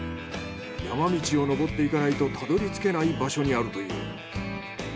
山道を登っていかないとたどり着けない場所にあるという。